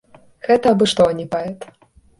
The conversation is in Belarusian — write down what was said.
Гэта абы што, а не паэт!